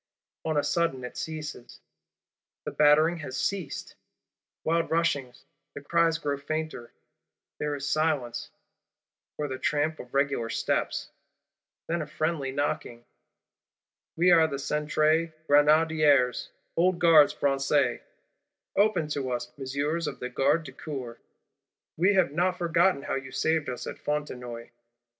—On a sudden it ceases; the battering has ceased! Wild rushing: the cries grow fainter: there is silence, or the tramp of regular steps; then a friendly knocking: 'We are the Centre Grenadiers, old Gardes Françaises: Open to us, Messieurs of the Garde du Corps; we have not forgotten how you saved us at Fontenoy!